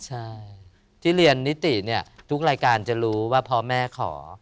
ใช่ที่เรียนนิติเนี่ยทุกรายการจะรู้ว่าพ่อแม่ขอ